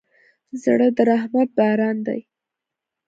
زړه د رحمت باران دی.